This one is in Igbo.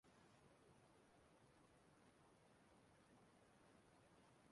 ogologo ndụ o nyere ya n'ụwa